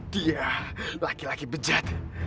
dia laki laki bejat